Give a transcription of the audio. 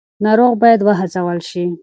ناروغ باید وهڅول شي.